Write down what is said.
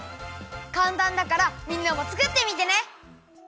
かんたんだからみんなも作ってみてね！